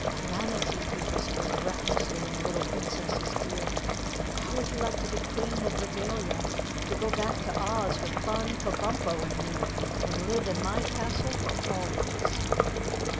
"Planetty," he whispered breathlessly in the little Princess' ear. "How would you like to be Queen of Regalia, to go back to Oz with Thun, Kabumpo and me and live in my castle for always?"